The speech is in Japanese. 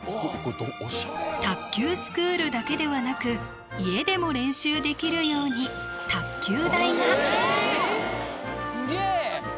卓球スクールだけではなく家でも練習できるように卓球台がえぇ⁉すげえ！